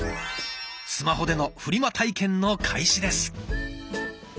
スマホでのフリマ体験の開始です。